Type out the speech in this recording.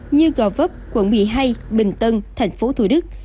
như gò vấp quận một mươi hai bình tân thành phố thủ đức